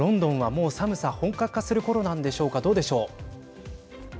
もう寒さ本格化するころなんでしょうかどうでしょう。